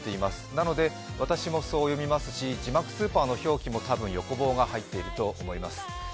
なので、私もそう読みますし字幕スーパーの表記も横棒が入っていると思います。